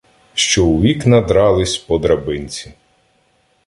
Що в вікна дрались по драбинці